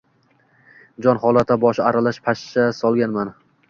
Jon holatda boshi aralash panshaha solganman.